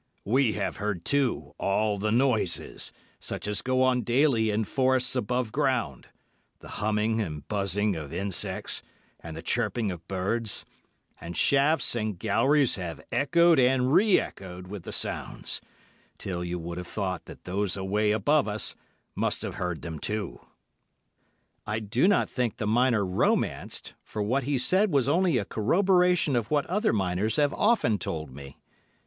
We have heard, too, all the noises, such as go on daily in forests above ground—the humming and buzzing of insects, and the chirping of birds; and shafts and galleries have echoed and re echoed with the sounds, till you would have thought that those away above us must have heard them, too." I do not think the miner romanced, for what he said was only a corroboration of what other miners have often told me.